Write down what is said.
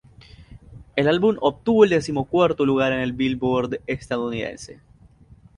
El álbum obtuvo el decimocuarto lugar en el Billboard estadounidense.